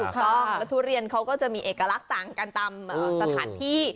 ถูกต้องแล้วทุเรียนเขาก็จะมีเอกลักษณ์ต่างกันตามสถานที่